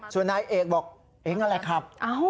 ส่วนนายเอกบอกเองนั่นแหละครับ